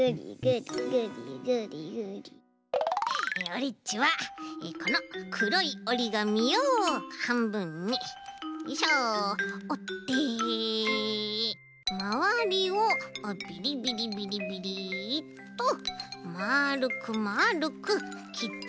オレっちはこのくろいおりがみをはんぶんによいしょおってまわりをビリビリビリビリっとまるくまるくきっていく。